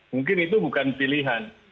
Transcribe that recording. mungkin itu bukan pilihan